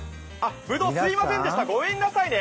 ぶどうすいませんでしたごめんなさいね。